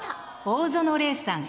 大園玲さん